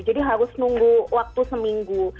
jadi harus nunggu waktu seminggu